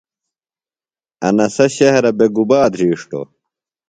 انسہ شہرہ بےۡ گُبا دھرِݜٹوۡ؟